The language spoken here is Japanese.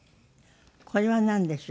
これはなんでしょう？